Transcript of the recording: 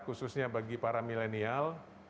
khususnya bagi para milenial